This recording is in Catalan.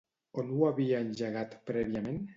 On ho havia engegat prèviament?